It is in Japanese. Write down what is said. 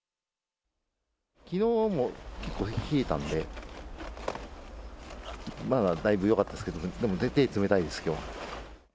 きのうも結構冷えたんで、まだだいぶよかったですけど、でも、手、冷たいです、きょう。